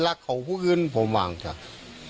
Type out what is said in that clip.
นะครับโหโห้โต๊ะใจคร่ะน่ะ